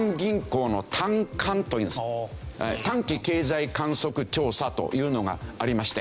短期経済観測調査というのがありまして。